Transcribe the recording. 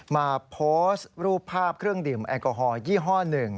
มาโพสต์รูปภาพเครื่องดื่มแอลกอฮอลยี่ห้อ๑